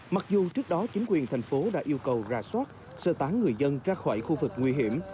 mặc dù trước đó chính quyền thành phố đã yêu cầu ra soát sơ tán người dân ra khỏi khu vực nguy hiểm